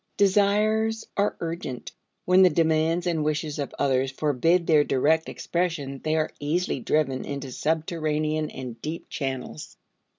Desires are urgent. When the demands and wishes of others forbid their direct expression they are easily driven into subterranean and deep channels.